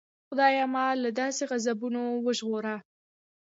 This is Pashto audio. خدایه ما له داسې غضبونو وژغوره.